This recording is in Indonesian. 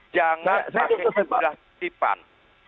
jangan pakai titipan